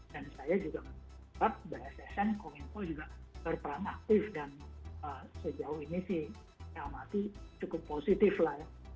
dan saya juga menurut saya bahwa bssn dan komenko juga berperan aktif dan sejauh ini sih amati cukup positif lah ya